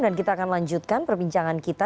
dan kita akan lanjutkan perbincangan kita